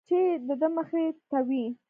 چې د ده مخې ته وي.